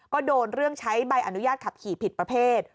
ก็โดนเรื่องใช้ใบอนุญาตขับขี่ผิดประเภท